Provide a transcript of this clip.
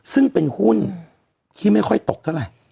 ซึ่งเป็นหุ้นที่ไม่ค่อยตกเท่าไหร่